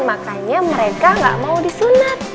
makanya mereka gak mau disunat